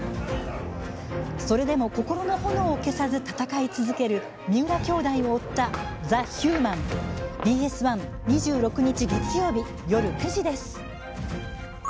それでも、心の炎を消さず戦い続ける三浦兄弟を追った「ザ・ヒューマン」ＢＳ１２６日、月曜日夜９時です。